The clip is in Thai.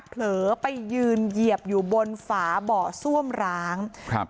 เผลอไปยืนเหยียบอยู่บนฝาเบาะซ่วมร้างครับ